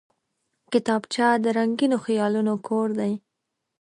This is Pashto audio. کتابچه د رنګینو خیالونو کور دی